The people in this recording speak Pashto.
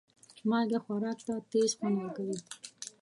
مالګه خوراک ته تیز خوند ورکوي.